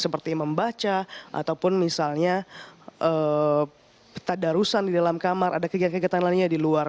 seperti membaca ataupun misalnya peta darusan di dalam kamar ada kegiatan kegiatan lainnya di luar